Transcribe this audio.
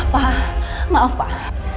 pak maaf pak